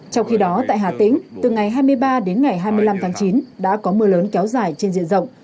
trong khi đó tại hà tĩnh từ ngày hai mươi ba đến ngày hai mươi năm tháng chín đã có mưa lớn kéo dài trên diện rộng